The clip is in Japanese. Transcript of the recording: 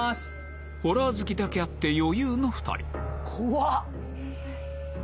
ホラー好きだけあって余裕の２人